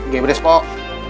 gaya beres kok